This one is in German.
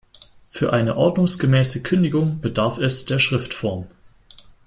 Für eine ordnungsgemäße Kündigung bedarf es der Schriftform.